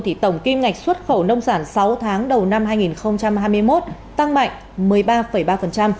thì tổng kim ngạch xuất khẩu nông sản sáu tháng đầu năm hai nghìn hai mươi một tăng mạnh một mươi ba ba